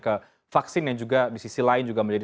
ke vaksin yang juga di sisi lain juga menjadi